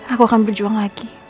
aku akan berjuang lagi